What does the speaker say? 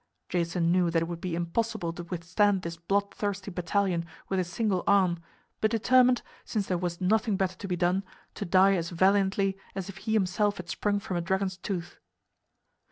Jason knew that it would be impossible to withstand this bloodthirsty battalion with his single arm, but determined, since there was nothing better to be done, to die as valiantly as if he himself had sprung from a dragon's tooth.